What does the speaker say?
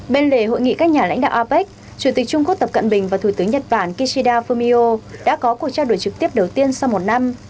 bên lề hội nghị các nhà lãnh đạo apec chủ tịch trung quốc tập cận bình và thủ tướng nhật bản kishida fumio đã có cuộc trao đổi trực tiếp đầu tiên sau một năm